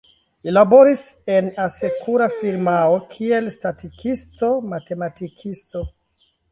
Li laboris en asekura firmao kiel statistikisto-matematikisto.